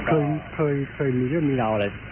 เคยมีเรื่องมีราวอะไร